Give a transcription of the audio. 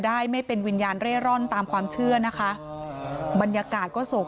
ได้ไม่เป็นวิญญาณเร่ร่อนตามความเชื่อนะคะบรรยากาศก็โศก